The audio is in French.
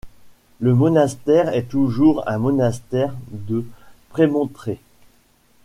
Le monastère est toujours un monastère de Prémontrés.